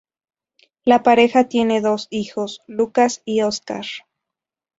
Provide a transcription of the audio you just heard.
La pareja tiene dos hijos, Lucas y Oscar.